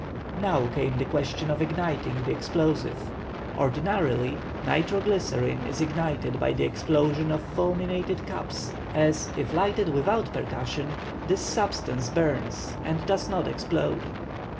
Now came the question of igniting the explosive. Ordinarily, nitro glycerine is ignited by the explosion of fulminated caps, as, if lighted without percussion, this substance burns and does not explode.